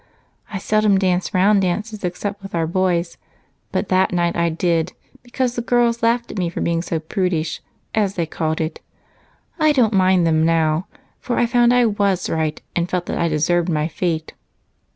I seldom dance round dances except with our boys, but that night I did because the girls laughed at me for being so 'prudish,' as they called it. I don't mind them now, for I found I was right, and felt that I deserved my fate."